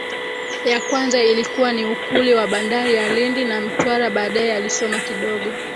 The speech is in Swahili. ya kwanza ilikuwa ni ukuli wa bandari ya Lindi na Mtwara Baadaye alisoma kidogo